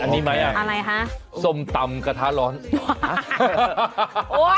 มีอันนี้ไหมอ่ะสมตำกระทะร้อนอะไรคะฮ่า